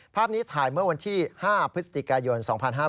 ภาพนี้ถ่ายเมื่อวันที่๕พฤศจิกายน๒๕๕๙